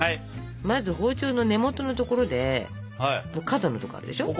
まず包丁の根元の所で角の所あるでしょ？